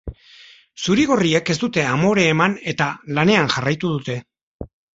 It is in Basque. Zuri-gorriek ez dute amore eman eta lanean jarraitu dute.